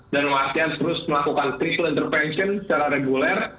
dan memastikan terus melakukan crystal intervention secara reguler